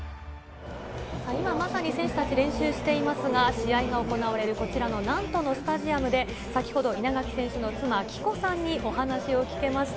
今まさに選手たちが練習していますが、試合が行われるこちらのナントのスタジアムで先ほど稲垣選手の妻・貴子さんにお話を聞けました。